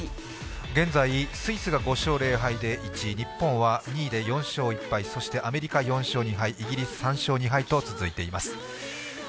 現在スイスが５勝０敗で１位日本は２位で４勝１敗、そしてアメリカ、４勝２敗イギリス３勝２敗と続いています。